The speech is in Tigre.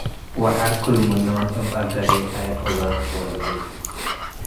ወሐር ክል-ምኖ'ም፤ “እብ እገሌታይ ፈገርኮ”፦ ልብል ።